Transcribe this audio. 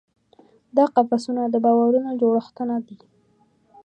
دا قفسونه د باورونو جوړښتونه دي.